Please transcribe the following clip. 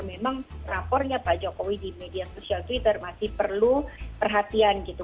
memang rapornya pak jokowi di media sosial twitter masih perlu perhatian gitu